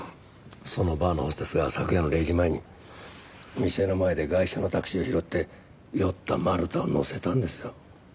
そのバーのホステスが昨夜の０時前に店の前でガイシャのタクシーを拾って酔った丸田を乗せたんですよ。